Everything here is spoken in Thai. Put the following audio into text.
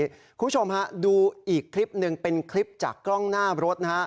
คุณผู้ชมฮะดูอีกคลิปหนึ่งเป็นคลิปจากกล้องหน้ารถนะฮะ